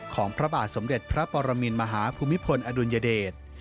พระบาทสมเด็จพระปรมินมหาภูมิพลอดุลยเดช